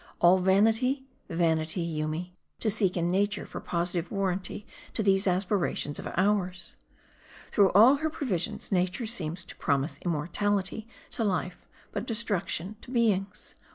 All vanity, vanity, Yoomy, to seek in nature for positive warran ty to these aspirations of ours. Through all her provinces, nature seems to promise immortality to life, but destruction to beings.